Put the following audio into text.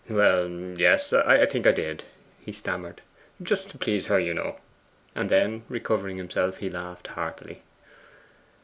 'Well, yes; I think I did,' he stammered; 'just to please her, you know.' And then recovering himself he laughed heartily.